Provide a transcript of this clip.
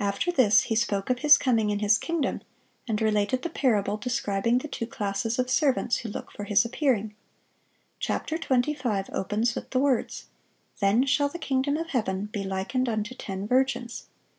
After this He spoke of His coming in His kingdom, and related the parable describing the two classes of servants who look for His appearing. Chapter 25 opens with the words, "Then shall the kingdom of heaven be likened unto ten virgins."